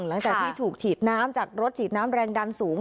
หลังจากที่ถูกฉีดน้ำจากรถฉีดน้ำแรงดันสูง